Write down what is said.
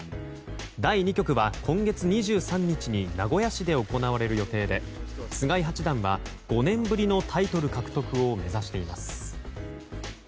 第２局は今月２３日に名古屋市で行われる予定で菅井八段は５年ぶりのタイトル獲得を目指しています。